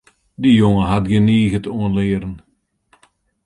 Dy jonge hat gjin niget oan learen.